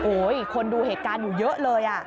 คนดูเหตุการณ์อยู่เยอะเลย